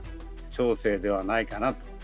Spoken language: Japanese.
長征ではないかなと。